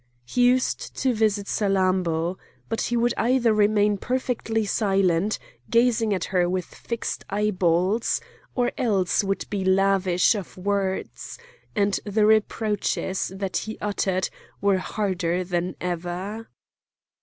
He used to visit Salammbô. But he would either remain perfectly silent, gazing at her with fixed eyeballs, or else would be lavish of words, and the reproaches that he uttered were harder than ever.